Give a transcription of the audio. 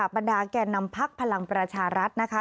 ปันดาแก่นนำภักดิ์พลังประชารัสนะคะ